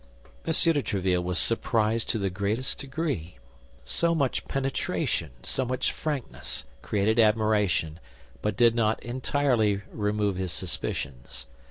M. de Tréville was surprised to the greatest degree. So much penetration, so much frankness, created admiration, but did not entirely remove his suspicions.